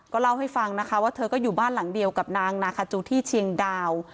เล่าให้ฟังนะคะว่าเธอก็อยู่บ้านหลังเดียวกับนางนาคาจูที่เชียงดาว